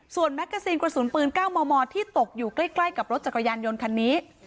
แมกกาซีนกระสุนปืน๙มมที่ตกอยู่ใกล้กับรถจักรยานยนต์คันนี้